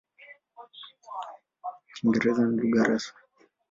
Kiingereza ni lugha rasmi.